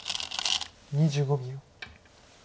２５秒。